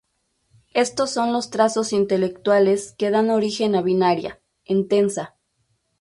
Estos son los trazos intelectuales que dan origen a binaria: Entesa.